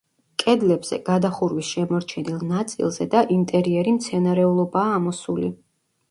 კედლებზე, გადახურვის შემორჩენილ ნაწილზე და ინტერიერი მცენარეულობაა ამოსული.